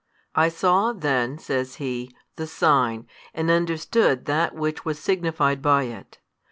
I saw then, says he, the sign, and understood That Which was signified by it.